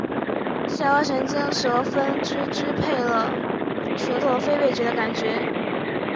下颌神经舌分支支配了舌头非味觉的感觉